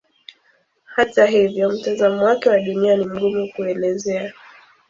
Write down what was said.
Hata hivyo mtazamo wake wa Dunia ni mgumu kuelezea.